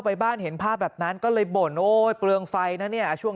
ไปบ้านเห็นภาพแบบนั้นก็เลยบ่นโอ้ยเปลืองไฟนะเนี่ยช่วง